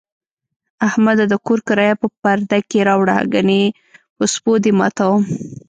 احمده! د کور کرایه په پرده کې راوړه، گني په سپو دې ماتوم.